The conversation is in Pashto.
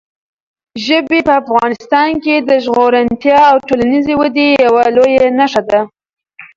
ژبې په افغانستان کې د زرغونتیا او ټولنیزې ودې یوه لویه نښه ده.